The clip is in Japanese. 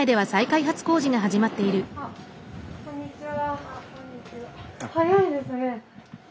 こんにちは。